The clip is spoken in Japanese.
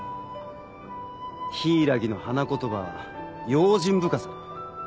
「柊」の花言葉は「用心深さ」だ。